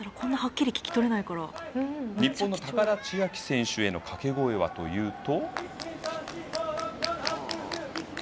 日本の高田千明選手への掛け声はというと。